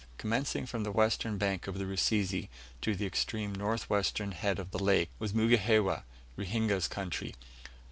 Commencing from the western bank of the Rusizi, to the extreme north western head of the lake, was Mugihewa Ruhinga's country.